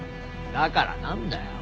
だからなんだよ。